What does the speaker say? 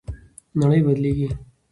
نړۍ بدلیږي.